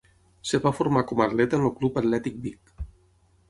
Es va formar com a atleta en el Club Atlètic Vic.